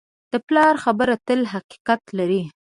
د پلار خبرې تل حقیقت لري.